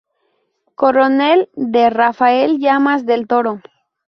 Coronel D. Rafael Llamas del Toro.